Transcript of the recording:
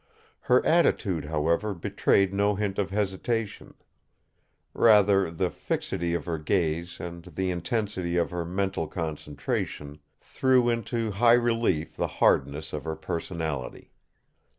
Her attitude, however, betrayed no hint of hesitation. Rather, the fixity of her gaze and the intensity of her mental concentration threw into high relief the hardness of her personality.